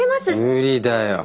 無理だよ。